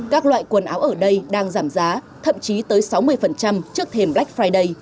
các loại quần áo ở đây đang giảm giá thậm chí tới sáu mươi trước thềm black friday